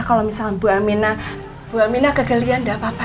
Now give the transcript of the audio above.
kalau misalnya bu aminah kegelian enggak apa apa